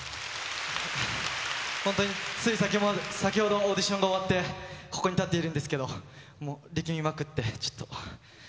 本当につい先ほど、オーディションが終わって、ここに立っているんですけど、もう力みまくって、ちょっと。